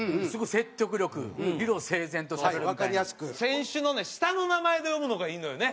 選手のね下の名前で呼ぶのがいいのよね。